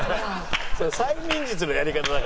それ催眠術のやり方だから。